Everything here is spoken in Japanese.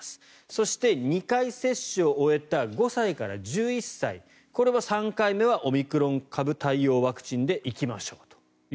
そして、２回接種を終えた５歳から１１歳これは３回目はオミクロン株対応ワクチンで行きましょうと。